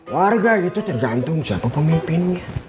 warga itu tergantung siapa pemimpinnya